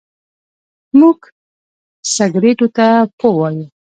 موږ سګرېټو ته پو وايو.